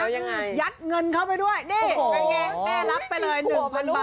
มะลิยัดเงินเข้าไปด้วยแม่แกร้มไปเลย๑๐๐๐บาทนะ